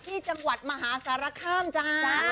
ที่จังหวัดมหาศาลค่ำจ้า